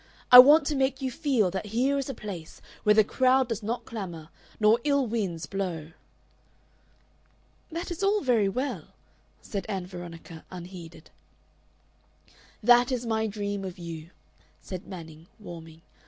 I want to make you feel that here is a place where the crowd does not clamor nor ill winds blow." "That is all very well," said Ann Veronica, unheeded. "That is my dream of you," said Manning, warming.